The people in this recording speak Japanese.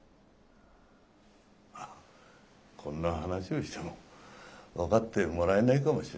あこんな話をしても分かってもらえないかもしれないが。